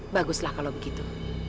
baguslah kalau begitu